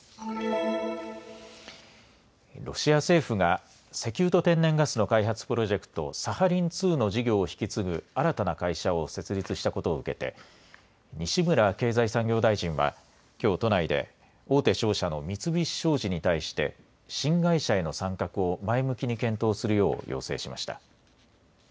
ロシア政府が石油と天然ガスの開発プロジェクト、サハリン２の事業を引き継ぐ新たな会社を設立したことを受けて、西村経済産業大臣はきょう、都内で大手商社の三菱商事に対して、新会社への参画を前向きに検討するよう要請しました。